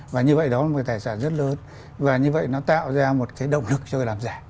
và như vậy đó là một cái tài sản rất lớn và như vậy nó tạo ra một cái động lực cho người làm giả